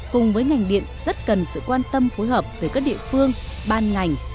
cùng với ngành điện rất cần sự quan tâm phối hợp từ các địa phương ban ngành